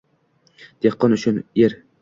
dehqon uchun yer